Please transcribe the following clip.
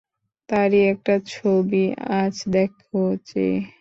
তারই একটা ছবি আজ দেখো চেয়ে।